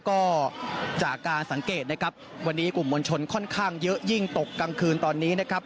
ก็จากการสังเกตนะครับวันนี้กลุ่มมวลชนค่อนข้างเยอะยิ่งตกกลางคืนตอนนี้นะครับ